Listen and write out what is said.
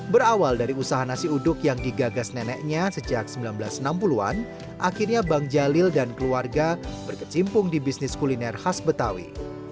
berawal dari usaha nasi uduk yang digagas neneknya sejak seribu sembilan ratus enam puluh an akhirnya bang jalil dan keluarga berkecimpung di bisnis kuliner khas betawi